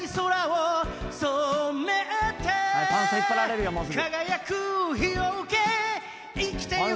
パンスト引っ張られるよもうすぐ。